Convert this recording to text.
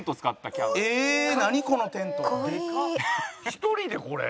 １人でこれ？